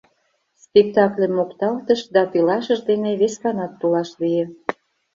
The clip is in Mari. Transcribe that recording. Спектакльым мокталтыш да пелашыж дене весканат толаш лие.